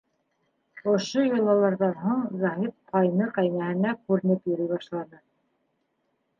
Ошо йолаларҙан һуң Заһит ҡайны-ҡәйнәһенә күренеп йөрөй башланы.